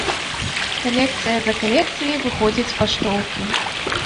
Калекцыя за калекцыяй выходзяць паштоўкі.